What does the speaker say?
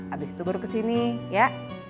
abis itu guru kesini ya